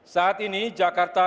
saat ini jakarta